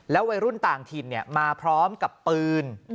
แล้ววัยรุ่นต่างถิ่นเนี่ยมาพร้อมกับปืน